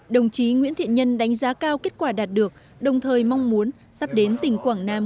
đồng chí nguyễn thiện nhân đánh giá cao kết quả đạt được đồng thời mong muốn sắp đến tỉnh quảng nam